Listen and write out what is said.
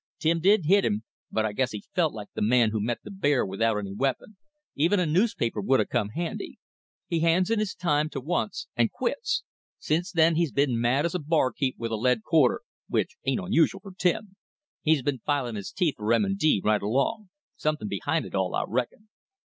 "Tim didn't hit him; but I guess he felt like th' man who met the bear without any weapon, even a newspaper would 'a' come handy. He hands in his time t' once and quits. Sence then he's been as mad as a bar keep with a lead quarter, which ain't usual for Tim. He's been filin' his teeth for M. & D. right along. Somethin's behind it all, I reckon."